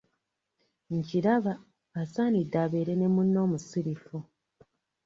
Nkilaba, asaanidde abeere ne munne omusiru!